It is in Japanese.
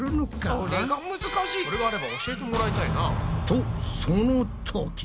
それがあれば教えてもらいたいな。